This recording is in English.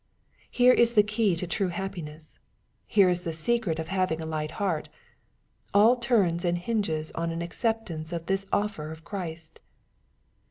— Here is the key to true happiness. Here is the secret of having a light heart. All turns and hinges on an acceptance of this offer of Christ.